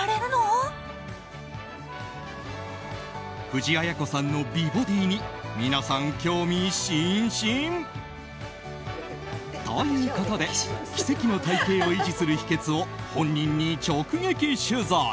藤あや子さんの美ボディーに皆さん、興味津々！ということで奇跡の体形を維持する秘訣を本人に直撃取材。